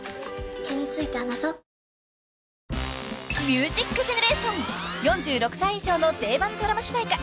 ［『ミュージックジェネレーション』４６歳以上の定番ドラマ主題歌］